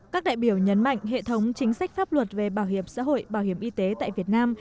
các đại biểu nhấn mạnh hệ thống chính sách pháp luật về bảo hiểm xã hội bảo hiểm y tế tại việt nam